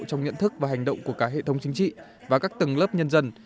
trong nhận thức và hành động của cả hệ thống chính trị và các tầng lớp nhân dân